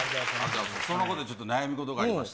そのことでちょっと悩み事がありまして。